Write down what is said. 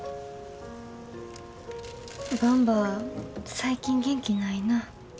ばんば最近元気ないなぁ。